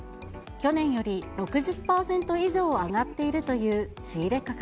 去年より６０％以上上がっているという仕入れ価格。